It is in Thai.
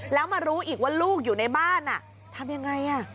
แล้วมารู้อีกว่าลูกอยู่ในบ้านทำยังไง